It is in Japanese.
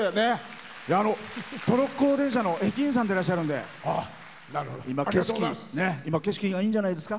トロッコ電車の駅員さんでいらっしゃるので今、景色がいいんじゃないですか？